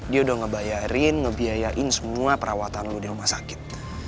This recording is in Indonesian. dia udah ngebayarin ngebiayain semua perawatan lu di rumah sakit